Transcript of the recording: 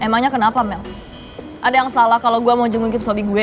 emangnya kenapa mel ada yang salah kalau gue mau jenguin suami gue